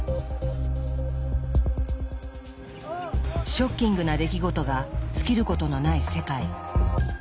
ショッキングな出来事が尽きることのない世界。